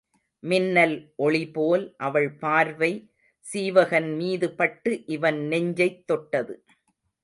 மின்னல் ஒளிபோல் அவள் பார்வை சீவகன் மீது பட்டு இவன் நெஞ்சைத் தொட்டது.